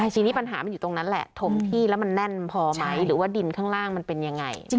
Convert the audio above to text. ทีนี้ปัญหามันอยู่ตรงนั้นแหละถมที่แล้วมันแน่นพอไหมหรือว่าดินข้างล่างมันเป็นยังไง